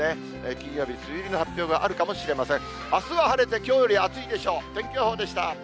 金曜日、梅雨入りの発表があるかもしれません。